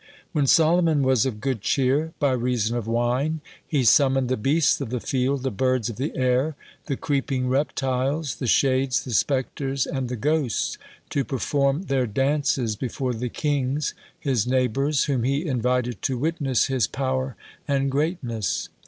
(38) When Solomon was of good cheer by reason of wine, he summoned the beasts of the field, the birds of the air, the creeping reptiles, the shades, the spectres, and the ghosts, to perform their dances before the kings, his neighbors, whom he invited to witness his power and greatness.